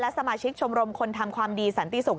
สมาชิกชมรมคนทำความดีสันติศุกร์